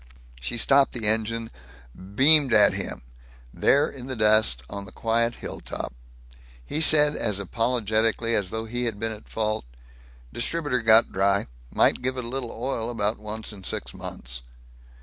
She stopped the engine, beamed at him there in the dust, on the quiet hilltop. He said as apologetically as though he had been at fault, "Distributor got dry. Might give it a little oil about once in six months."